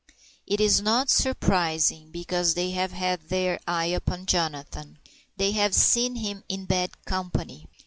It is not surprising, because they have had their eye upon Jonathan. They have seen him in bad company.